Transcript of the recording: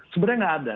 sebenarnya gak ada